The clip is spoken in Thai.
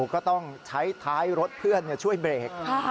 ก็ต้องใช้ท้ายรถเพื่อนช่วยเบรก